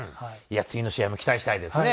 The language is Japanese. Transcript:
次の試合も期待したいですね。